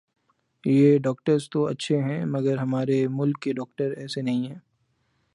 یہ ڈاکٹرز تو اچھے ھیں مگر ھمارے ملک کے ڈاکٹر ایسے نہیں ھیں